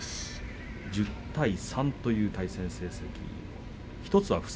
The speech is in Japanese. １０対３という対戦成績です。